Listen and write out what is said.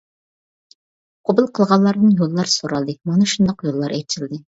قوبۇل قىلغانلاردىن يوللار سورالدى، مانا شۇنداق يوللار ئېچىلدى.